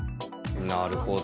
なるほど。